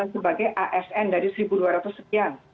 sebagai asn dari satu dua ratus sekian